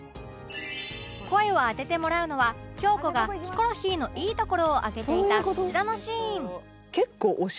声を当ててもらうのは京子がヒコロヒーのいいところを挙げていたこちらのシーン